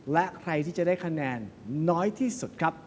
และใครที่จะได้คะแนนน้อยที่สุดครับ